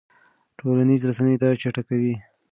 ټولنیزې رسنۍ دا چټکوي.